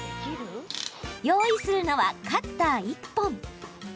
用意するのはカッター１本。